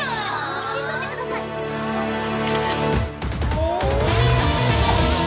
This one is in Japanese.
写真撮ってくださいおー！